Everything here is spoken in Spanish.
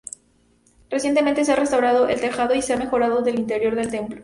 Recientemente se ha restaurado el tejado y se ha mejorado el interior del templo.